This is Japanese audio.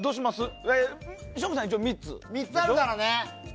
俺、３つあるからね。